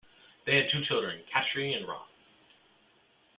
They had two children, Katri and Rob.